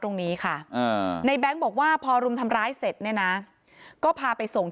ตรงนี้ค่ะในแบงค์บอกว่าพอรุมทำร้ายเสร็จเนี่ยนะก็พาไปส่ง